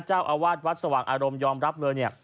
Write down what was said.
เจ้าอาวาสวัดสว่างอารมณ์ยอมรับเลยเนี่ย